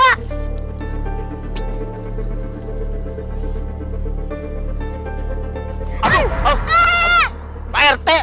aku bisa buru buru jemput rafa